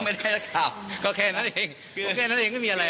ไม่ได้นักข่าวก็แค่นั้นเอง